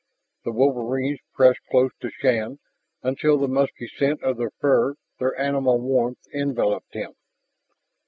The wolverines pressed close to Shann until the musky scent of their fur, their animal warmth, enveloped him.